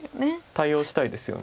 対応したいですよね。